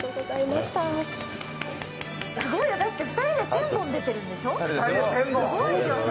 すごいよ２人で１０００本出てるんでしょ。